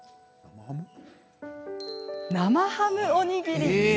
生ハムおにぎり。